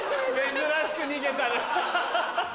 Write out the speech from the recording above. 珍しく逃げたなハハハ。